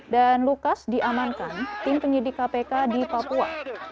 dan lukas diamankan tim penyidik kpk di papua